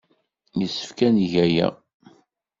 Yessefk ad neg aya.